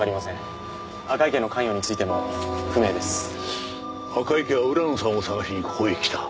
赤池は浦野さんを捜しにここへ来た。